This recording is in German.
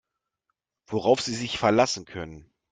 Worauf Sie sich verlassen können.